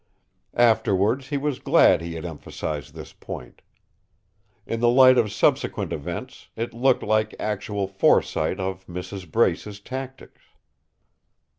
Afterwards, he was glad he had emphasized this point. In the light of subsequent events, it looked like actual foresight of Mrs. Brace's tactics.